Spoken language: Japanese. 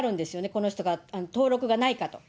この人が登録がないかと。